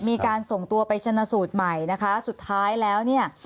มีการส่งตัวไปชนะสูตรใหม่นะคะสุดท้ายแล้วเนี่ย